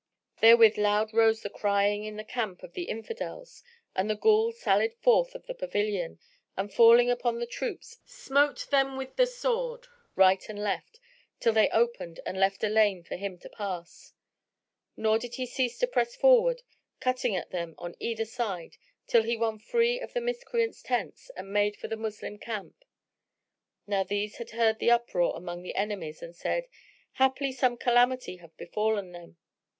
Therewith loud rose the crying in the camp of the Infidels and the Ghul sallied forth of the pavilion and falling upon the troops smote them with the sword, right and left, till they opened and left a lane for him to pass; nor did he cease to press forward, cutting at them on either side, till he won free of the Miscreants' tents and made for the Moslem camp. Now these had heard the uproar among their enemies and said, "Haply some calamity hath befallen them."